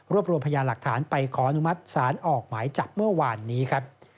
รวมรวมพยานหลักฐานไปขออนุมัติศาลออกหมายจับเมื่อวานนี้ครับ